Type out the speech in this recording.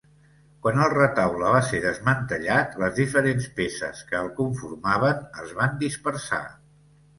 Quan el retaule va ser desmantellat, les diferents peces que el conformaven es van dispersar.